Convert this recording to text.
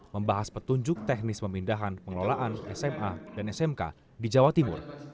membahas petunjuk teknis pemindahan pengelolaan sma dan smk di jawa timur